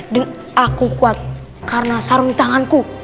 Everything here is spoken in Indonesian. dan aku kuat karena sarung di tanganku